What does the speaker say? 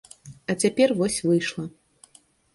А цяпер вось выйшла.